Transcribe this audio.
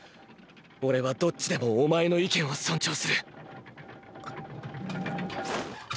オレはどっちでもお前の意見を尊重する。